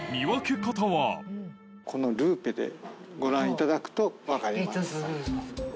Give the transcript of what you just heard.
このルーペでご覧いただくと、分かります。